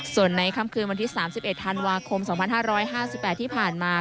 ส่วนในค่ำคืนวันที่๓๑ธันวาคม๒๕๕๘ที่ผ่านมา